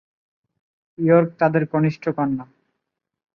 York তাদের কনিষ্ঠ কন্যা।